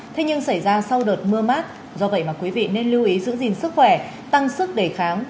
thế nhưng xảy ra sau đợt mưa mát do vậy mà quý vị nên lưu ý giữ gìn sức khỏe tăng sức đề kháng